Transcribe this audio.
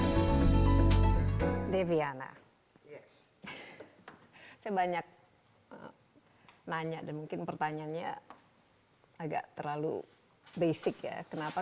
hai deviana saya banyak nanya dan mungkin pertanyaannya agak terlalu basic ya kenapa